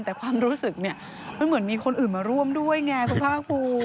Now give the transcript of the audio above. แต่ความรู้สึกเนี่ยมันเหมือนมีคนอื่นมาร่วมด้วยไงคุณภาคภูมิ